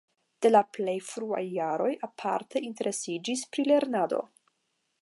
De la plej fruaj jaroj aparte interesiĝis pri lernado.